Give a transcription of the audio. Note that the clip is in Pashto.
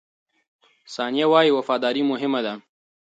ثانیه وايي، وفاداري مهمه ده.